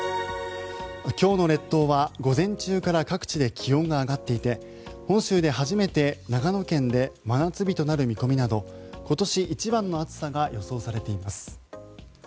今日の列島は午前中から各地で気温が上がっていて本州で初めて長野県で真夏日となる見込みなど今年一番の暑さが予想されています。